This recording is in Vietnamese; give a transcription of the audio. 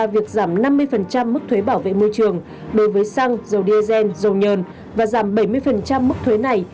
việc giảm năm mươi mức thuế bảo vệ môi trường đối với xăng dầu diesel dầu nhờn và giảm bảy mươi mức thuế này